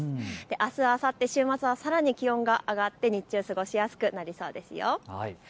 あすあさって週末はさらに気温が上がって日中、過ごしやすくなりそうですよ。